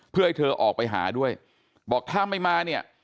เพื่อให้เธอออกไปหาด้วยบอกถ้าไม่มาเนี่ย